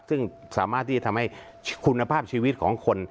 ซึ่งสามารถที่จะทำให้คุณภาพชีวิตของคน